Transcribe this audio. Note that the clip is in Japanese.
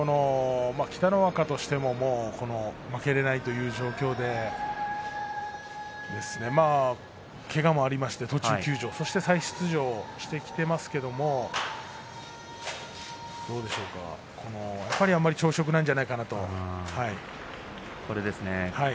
北の若としても負けられないという状況の中でけがもありまして休場、そして再出場してきていますけれどもやっぱり、あまり調子よくないんじゃないかなと思います。